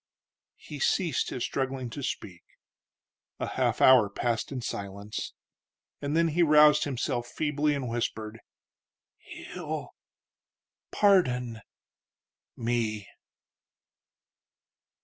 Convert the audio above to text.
He ceased his struggling to speak. A half hour passed in silence, and then he roused himself feebly and whispered: "He'll ... pardon ... me."